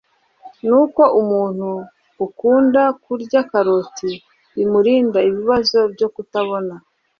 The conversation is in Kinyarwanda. ni uko umuntu ukunda kurya karoti bimurinda ibibazo byo kutabona